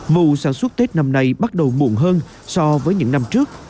mùa sản xuất tết năm nay bắt đầu muộn hơn so với những năm trước